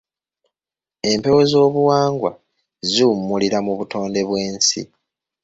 Empewo ez’obuwangwa ziwummulira mu butonde bw’ensi.